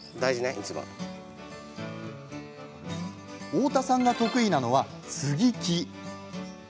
太田さんが得意なのは、接ぎ木。